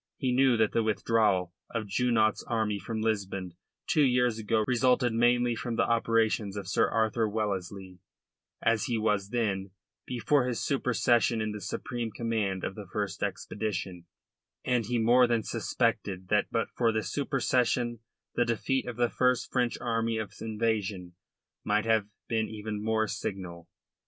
He knew that the withdrawal of Junot's army from Lisbon two years ago resulted mainly from the operations of Sir Arthur Wellesley as he was then before his supersession in the supreme command of that first expedition, and he more than suspected that but for that supersession the defeat of the first French army of invasion might have been even more signal.